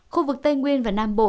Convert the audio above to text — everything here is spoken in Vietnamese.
khu vực tây nguyên và nam bộ